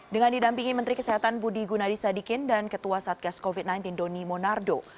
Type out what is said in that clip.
dengan didampingi menteri kesehatan budi gunadisadikin dan ketua satgas covid sembilan belas doni monardo